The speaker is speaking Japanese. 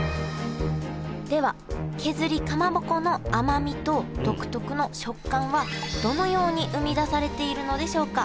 では削りかまぼこの甘みと独特の食感はどのように生み出されているのでしょうか